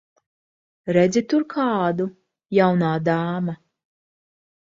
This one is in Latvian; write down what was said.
Redzi tur kādu, jaunā dāma?